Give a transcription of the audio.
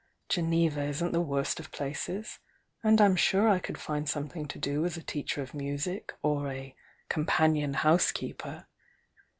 —Geneva isn't the worst of places, and I'm sure I could find something to do as a teacher of music, or a companion housekeeper.'